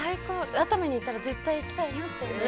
熱海に行ったら絶対行きたい。